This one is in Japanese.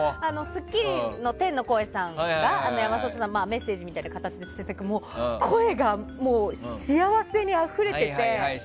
「スッキリ」の天の声さんが山里さんにメッセージみたいな形で出てたんですけど声がもう幸せにあふれてて。